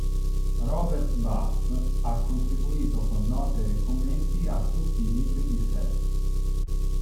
Robert Butts ha contribuito con note e commenti a tutti i libri di Seth.